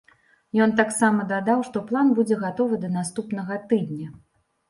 Ён таксама дадаў, што план будзе гатовы да наступнага тыдня.